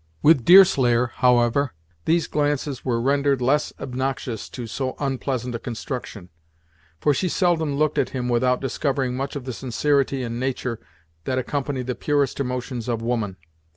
With Deerslayer, however, these glances were rendered less obnoxious to so unpleasant a construction; for she seldom looked at him without discovering much of the sincerity and nature that accompany the purest emotions of woman.